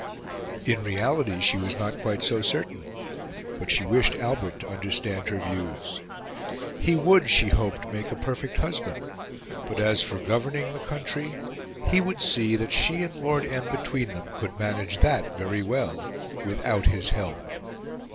In reality, she was not quite so certain; but she wished Albert to understand her views. He would, she hoped, make a perfect husband; but, as for governing the country, he would see that she and Lord M. between them could manage that very well, without his help.